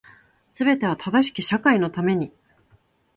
全ては正しき社会のために